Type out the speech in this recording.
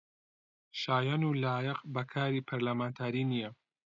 شایەن و لایەق بە کاری پەرلەمانتاری نییە